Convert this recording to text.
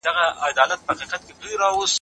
منډه وهل سږي قوي کوي.